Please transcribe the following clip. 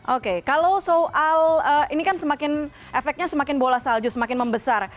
oke kalau soal ini kan semakin efeknya semakin bola salju semakin membesar